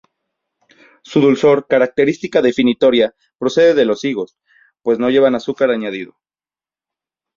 Su dulzor, característica definitoria, procede de los higos, pues no lleva azúcar añadido.